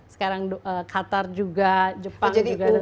sekarang qatar juga jepang juga dan sebagainya